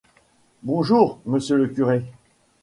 Bonjour, monsieur le curé.